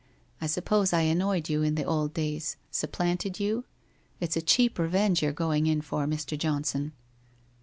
I suppose I annoyed you in the old days — supplanted you? It's a cheap revenge you're go ing in for, Mr. Johnson.'